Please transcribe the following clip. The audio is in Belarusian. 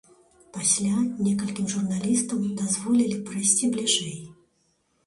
Пасля некалькім журналістам дазволілі прайсці бліжэй.